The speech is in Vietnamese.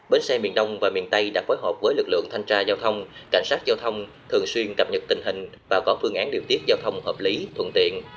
bến xe miền đông và miền tây đã phối hợp với lực lượng thanh tra giao thông cảnh sát giao thông thường xuyên cập nhật tình hình và có phương án điều tiết giao thông hợp lý thuận tiện